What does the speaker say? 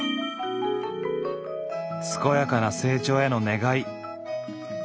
健やかな成長への願い。